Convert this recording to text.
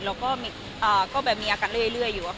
แล้วก็มีอาการเรื่อยอยู่